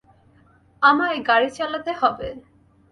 আমায় গাড়ি চালাতে হবে।